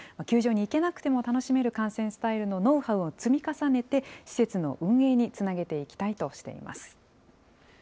球場に行けなくても楽しめる観戦スタイルのノウハウを積み重ねて、施設の運営につなげていきたいとしています。